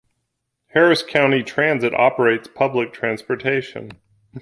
Harris County Transit operates public transportation.